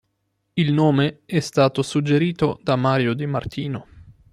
Il nome è stato suggerito da Mario Di Martino.